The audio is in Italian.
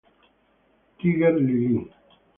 Tiger Lily